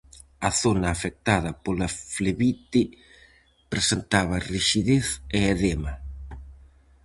A zona afectada pola flebite presentaba rixidez e edema.